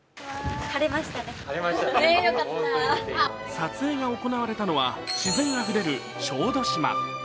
撮影が行われたのは自然あふれる小豆島。